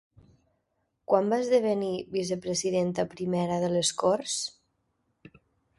Quan va esdevenir vicepresidenta primera de les Corts?